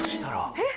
えっ？